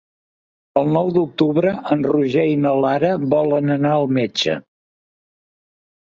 El nou d'octubre en Roger i na Lara volen anar al metge.